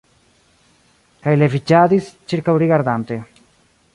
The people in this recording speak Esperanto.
Kaj leviĝadis, ĉirkaŭrigardante.